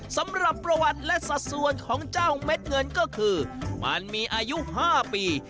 สำหรับประวัติและสัดส่วนของเจ้าเม็ดเงินก็คือมันมีอายุ๕ปี